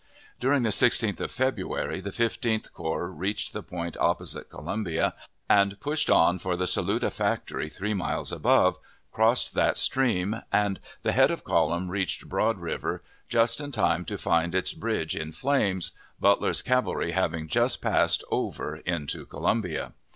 During the 16th of February the Fifteenth Corps reached the point opposite Columbia, and pushed on for the Saluda Factory three miles above, crossed that stream, and the head of column reached Broad River just in time to find its bridge in flames, Butler's cavalry having just passed over into Columbia.